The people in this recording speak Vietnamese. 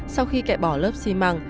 sau khi kẹt bỏ lớp xi măng